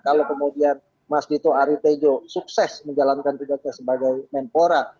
kalau kemudian mas dito aritejo sukses menjalankan tugasnya sebagai menpora